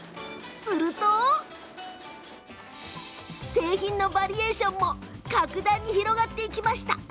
すると製品のバリエーションも格段に広がりました。